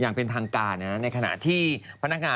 ซึ่งเป็นต้นสังกัดของ